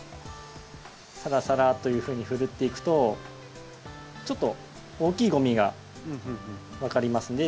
サラサラというふうにふるっていくとちょっと大きいゴミが分かりますね。